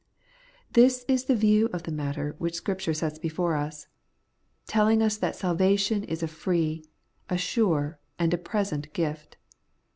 This is the view of the matter which Scripture sets before us ; telling us that salvation is a free, a sure, and a present gift.